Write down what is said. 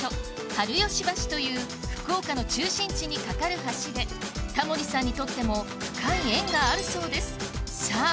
春吉橋という福岡の中心地に架かる橋でタモリさんにとっても深い縁があるそうですさあ